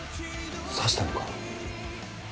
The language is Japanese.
刺したのか？